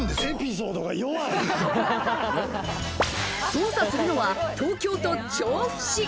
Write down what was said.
捜査するのは東京都調布市。